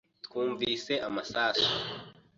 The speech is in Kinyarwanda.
Twumvise amasasu.